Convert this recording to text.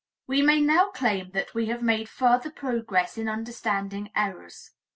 We may now claim that we have made further progress in understanding errors.